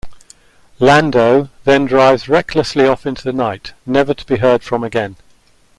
"Lando" then drives recklessly off into the night, never to be heard from again.